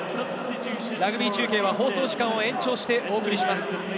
ラグビー中継は放送時間を延長してお送りします。